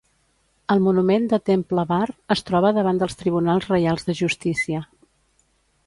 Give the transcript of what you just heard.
El monument de Temple Bar es troba davant dels Tribunals Reials de Justícia.